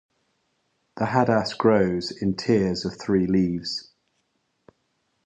The "hadass" grows in tiers of three leaves.